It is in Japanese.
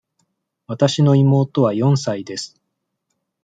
わたしの妹は四歳です。